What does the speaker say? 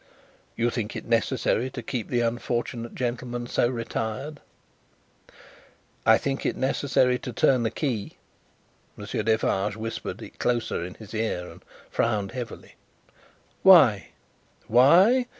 "You think it necessary to keep the unfortunate gentleman so retired?" "I think it necessary to turn the key." Monsieur Defarge whispered it closer in his ear, and frowned heavily. "Why?" "Why!